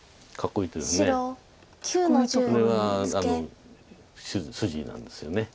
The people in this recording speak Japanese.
これは筋なんですよね。